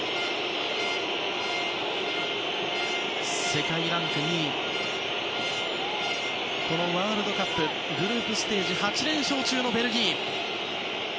世界ランク２位ワールドカップグループステージ８連勝中のベルギー。